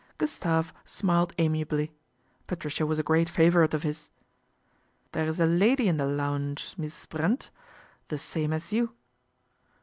Gustave smiled amiably, Patricia was a great favourite of his. " There is a lady in the looaunge, Mees Brent, the same as you."